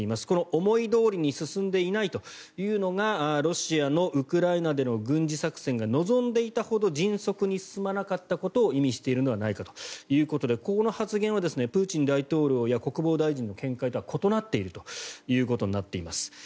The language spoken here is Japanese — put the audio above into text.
この思いどおりに進んでいないというのがロシアのウクライナでの軍事作戦が望んでいたほど迅速に進まなかったことを意味しているのではないかということでこの発言はプーチン大統領や国防大臣の見解とは異なっているということになっています。